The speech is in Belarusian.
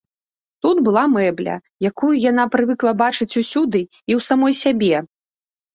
Тут была мэбля, якую яна прывыкла бачыць усюды і ў самой сябе.